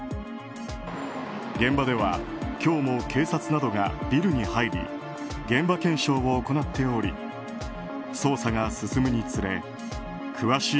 現場では今日も警察などがビルに入り現場検証を行っており捜査が進むにつれ詳しい